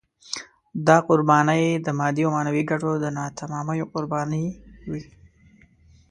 دا قربانۍ د مادي او معنوي ګټو د ناتمامیو قربانۍ وې.